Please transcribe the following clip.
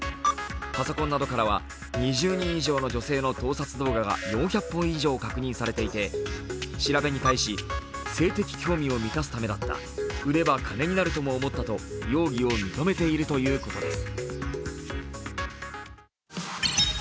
パソコンなどからは２０人以上の女性の盗撮動画が４００本以上確認されていて調べに対し性的興味を満たすためだった売れば金になるとも思ったと容疑を認めているということです。